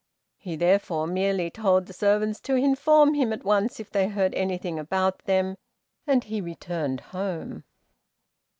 He therefore merely told the servants to inform him at once if they heard anything about them, and he returned home.